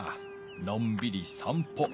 のんびり散歩。